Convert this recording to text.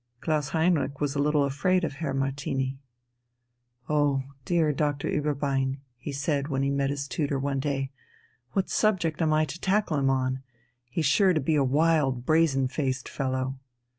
Klaus Heinrich was a little afraid of Herr Martini. "Oh dear, Doctor Ueberbein," he said when he met his tutor one day, "what subject am I to tackle him on? He's sure to be a wild, brazen faced fellow."